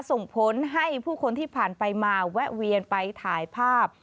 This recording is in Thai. ส่งผลให้ผู้คนที่ผ่านไปมาแวะเวียนไปถ่ายภาพ